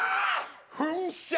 噴射。